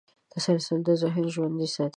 تسلسل د ذهن ژوند ساتي.